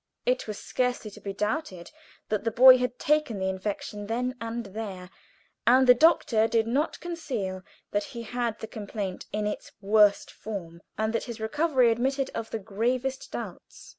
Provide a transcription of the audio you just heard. It was scarcely to be doubted that the boy had taken the infection then and there, and the doctor did not conceal that he had the complaint in its worst form, and that his recovery admitted of the gravest doubts.